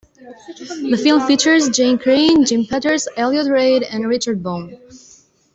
The film features Jeanne Crain, Jean Peters, Elliott Reid and Richard Boone.